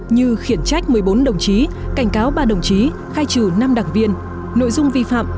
như khiển trách một mươi bốn đồng chí cảnh cáo ba đồng chí khai trừ năm đảng viên nội dung vi phạm